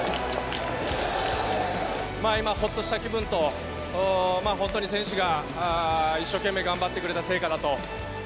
今はほっとした気分と、本当に選手が一生懸命頑張ってくれた成果だと。